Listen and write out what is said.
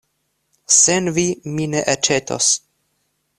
Sen vi mi ne aĉetos.